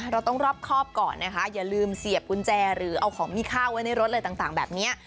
เราต้องรอบครอบก่อนนะคะอย่าลืมเสียบกุญแจหรือเอาของมีข้าวไว้ในรถอะไรต่างแบบนี้